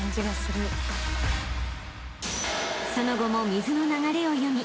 ［その後も水の流れを読み］